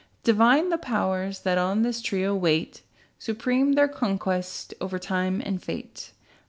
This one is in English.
Divine the Powers that on this trio wait. Supreme their conquest, over Time and Fate.